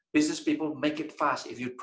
bisnis orang membuatnya cepat